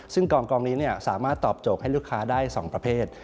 ซึ่งกองนี้สามารถตอบโจทย์ให้ลูกค้าได้๒ประเภท